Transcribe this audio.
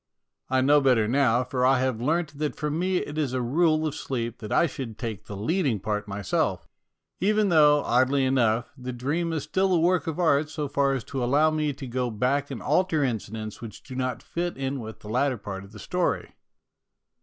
I know better now, for I have learnt that for me it is a rule of sleep that I should take the leading part myself, even though, oddly enough, the dream is still a work of art so far as to allow me to go back and alter incidents which do not fit in with the latter part of the story.